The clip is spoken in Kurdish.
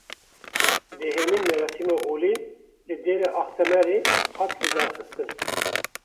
Dehemîn merasîma olî li Dêra Axtamarê hat lidarxistin.